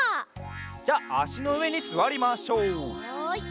じゃあしのうえにすわりましょう。